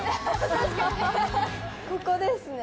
ここですね。